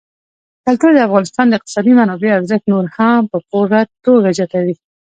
کلتور د افغانستان د اقتصادي منابعو ارزښت نور هم په پوره توګه زیاتوي.